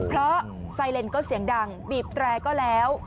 เพราะไซเลนก็เสียงดังบีบแตรก็แล้ว